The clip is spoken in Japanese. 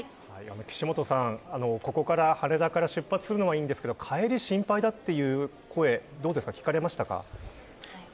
岸本さん、ここから、羽田から出発するのはいいんですけど帰りが心配だという声どうですか、聞かれましたか。